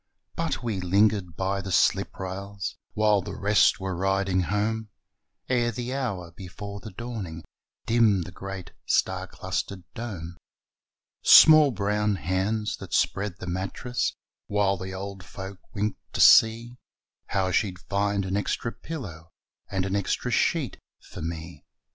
But we lingered by the sliprails While the rest were riding home, Ere the hour before the dawning Dimmed the great star clustered dome. Small brown hands that spread the mattress, While the old folk winked to see How she'd find an extra pillow And an extra sheet for me.